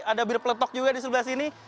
ada bir peletok juga di sebelah sini